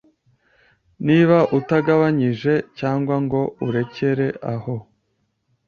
niba utagabanyije cyangwa ngo urekere aho